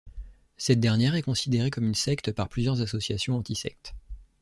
Cette dernière est considérée comme une secte par plusieurs associations antisectes.